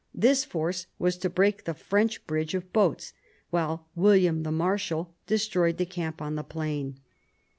This force was to break the French bridge of boats, while William the Marshal destroyed the camp on the plain.